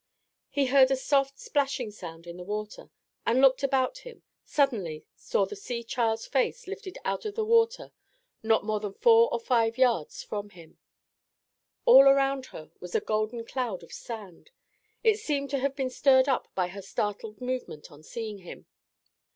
He heard a soft splashing sound in the water, and, looking about him, suddenly saw the sea child's face lifted out of the water not more than four or five yards from him. All around her was a golden cloud of sand; it seemed to have been stirred up by her startled movement on seeing him.